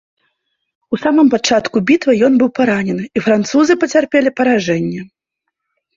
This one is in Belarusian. У самым пачатку бітвы ён быў паранены, і французы пацярпелі паражэнне.